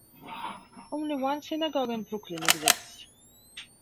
Only one synagogue in Brooklyn exists.